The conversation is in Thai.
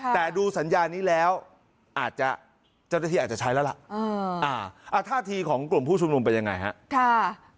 แต่ดูสัญญานี้แล้วเจ้าที่อาจจะใช้แล้วละธาษีของกลุ่มผู้ชุมนุมเป็นยังไงครับ